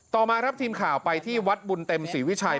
ต่อมาครับทีมข่าวไปที่วัดบุญเต็มศรีวิชัย